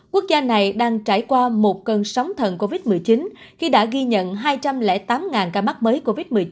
quốc gia này đang trải qua một cơn sóng thần covid một mươi chín khi đã ghi nhận hai trăm linh tám ca mắc mới covid một mươi chín